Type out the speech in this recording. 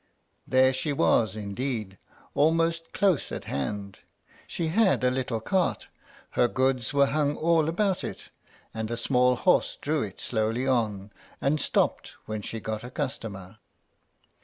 There she was indeed, almost close at hand. She had a little cart; her goods were hung all about it, and a small horse drew it slowly on, and stopped when she got a customer.